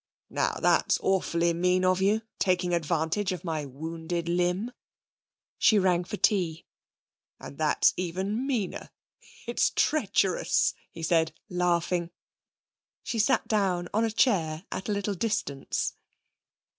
'Now that's awfully mean of you, taking advantage of my wounded limb.' She rang for tea. 'And that's even meaner. It's treacherous,' he said, laughing. She sat down on a chair at a little distance.